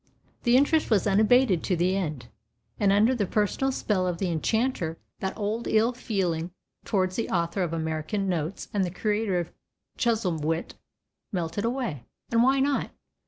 The interest was unabated to the end, and under the personal spell of the enchanter that old ill feeling towards the author of American Notes and the creator of Chuzzlewit melted away. And why not?